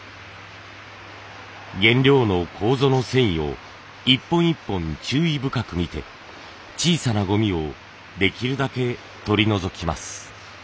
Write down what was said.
原料のこうぞの繊維を一本一本注意深く見て小さなゴミをできるだけ取り除きます。